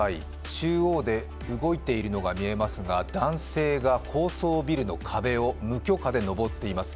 中央で動いているのが見えますが男性が高層ビルの壁を無許可で登っています。